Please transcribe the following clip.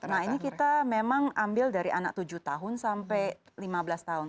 nah ini kita memang ambil dari anak tujuh tahun sampai lima belas tahun